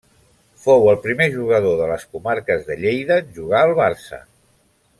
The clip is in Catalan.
Fou el primer jugador de les comarques de Lleida en jugar al Barça.